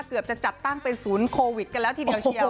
เกือบจะจัดตั้งเป็นศูนย์โควิดกันแล้วทีเดียวเชียว